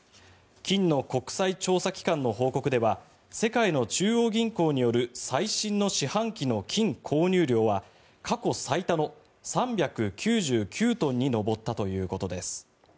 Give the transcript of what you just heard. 金の国際調査機関の報告では世界の中央銀行による最新の四半期の金購入量は過去最多の３９９トンに上ったということです。